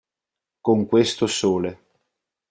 Con questo sole.